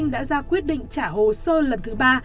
đã ra quyết định trả hồ sơ lần thứ ba